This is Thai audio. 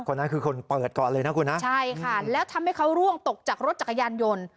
คนนั้นคือคนเปิดก่อนเลยนะคุณนะใช่ค่ะแล้วทำให้เขาร่วงตกจากรถจักรยานยนต์